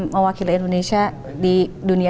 mewakili indonesia di dunia